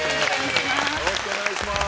よろしくお願いします。